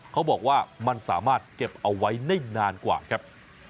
เขาบอกว่ามันสามารถเก็บเอาไว้ได้นานกว่าครับ